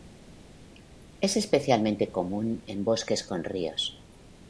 Es especialmente común en bosques con ríos.